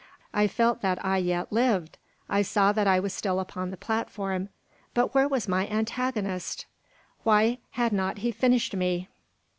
I felt that I yet lived. I saw that I was still upon the platform; but where was my antagonist? Why had not he finished me?